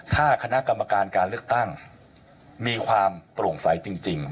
ถ้าคณะกรรมการการเลือกตั้งมีความโปร่งใสจริง